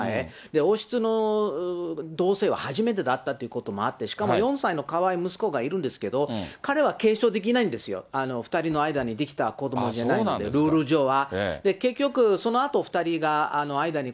王室の同せいは初めてだったということもあって、しかも４歳のかわいい息子がいるんですけど、彼は継承できないんですよ、２人の間にできた子どもじゃないんで、ルール上は。